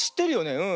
うん。